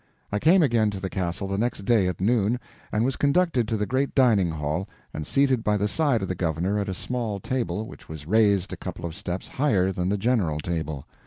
I came again to the castle the next day at noon, and was conducted to the great dining hall and seated by the side of the governor at a small table which was raised a couple of steps higher than the general table.